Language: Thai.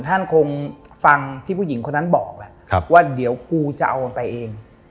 ท่านคงฟังที่ผู้หญิงคนนั้นบอกแหละว่าเดี๋ยวกูจะเอามันไปเอง